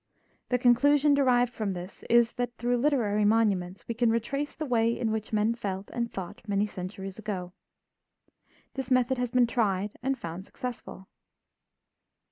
The conclusion derived from this is that, through literary monuments, we can retrace the way in which men felt and thought many centuries ago. This method has been tried and found successful.